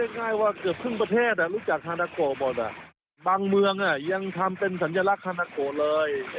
นางเมืองยังทำเป็นสัญลักษณ์ธนาโกนะเลย